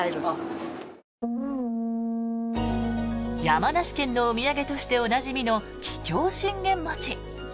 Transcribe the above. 山梨県のお土産としておなじみの桔梗信玄餅。